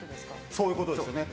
そういうことです。